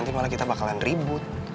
nanti malah kita bakalan ribut